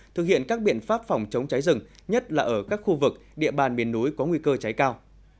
thực hiện các biện pháp phòng chống cháy rừng nhất là ở các khu vực địa bàn miền núi có nguy cơ cháy cao